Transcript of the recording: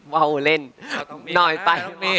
ว้าวเล่นน้อยไป